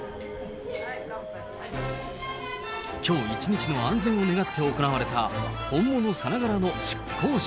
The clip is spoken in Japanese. きょう一日の安全を願って行われた、本物さながらの出航式。